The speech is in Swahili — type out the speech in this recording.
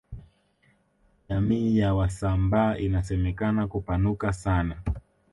jamii ya wasambaa inasemekana kupanuka sana